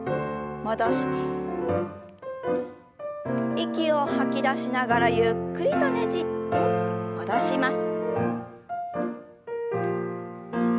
息を吐き出しながらゆっくりとねじって戻します。